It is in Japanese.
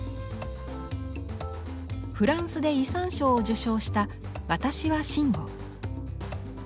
フランスで遺産賞を受賞した「わたしは真悟」。